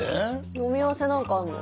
飲み合わせなんかあんの？